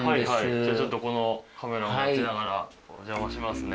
じゃあちょっとこのカメラを持ちながらお邪魔しますね。